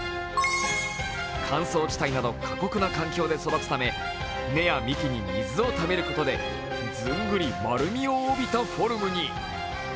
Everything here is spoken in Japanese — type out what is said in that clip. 乾燥地帯など過酷な環境で育つため根や幹に水をためることでずんぐり丸みを帯びたフォルムに。